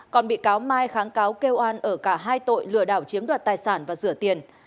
còn bị cáo mai kháng cáo kêu oan ở cả hai tội lừa đảo chiếm đoạt tài sản và rửa tiền